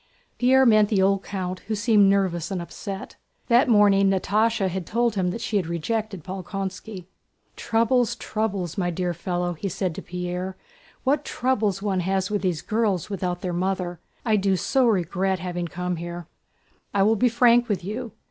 Pierre met the old count, who seemed nervous and upset. That morning Natásha had told him that she had rejected Bolkónski. "Troubles, troubles, my dear fellow!" he said to Pierre. "What troubles one has with these girls without their mother! I do so regret having come here.... I will be frank with you.